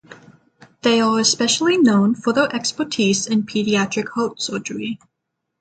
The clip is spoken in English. They are especially known for their expertise in pediatric heart surgery.